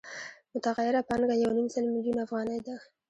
متغیره پانګه یو نیم سل میلیونه افغانۍ ده